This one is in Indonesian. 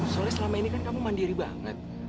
soalnya selama ini kan kamu mandiri banget